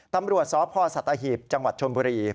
ตำรวจสพสัตหีบจังหวัดชนบุรี